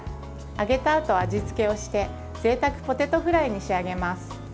揚げたあと、味付けをしてぜいたくポテトフライに仕上げます。